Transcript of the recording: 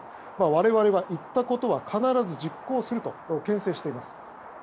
我々は言ったことは必ず実行すると牽制しています。